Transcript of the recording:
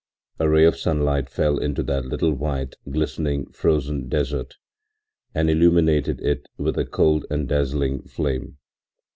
A ray of sunlight fell into that little white, glistening, frozen desert and illuminated it with a cold and dazzling flame.